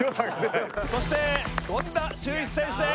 そして権田修一選手です！